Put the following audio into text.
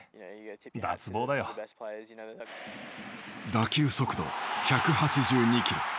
打球速度１８２キロ。